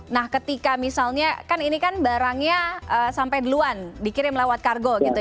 nah ketika misalnya kan ini kan barangnya sampai duluan dikirim lewat kargo gitu